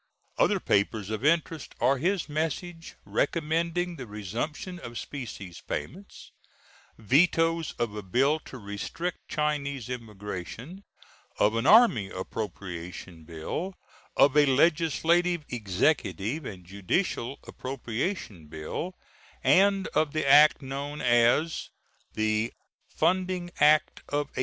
Other papers of interest are his message recommending the resumption of specie payments; vetoes of a bill to restrict Chinese immigration, of an Army appropriation bill, of a legislative, executive, and judicial appropriation bill, and of the act known as the "funding act of 1881."